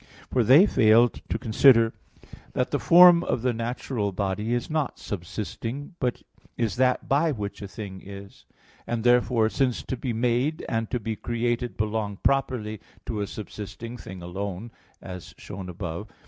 For they failed to consider that the form of the natural body is not subsisting, but is that by which a thing is. And therefore, since to be made and to be created belong properly to a subsisting thing alone, as shown above (A.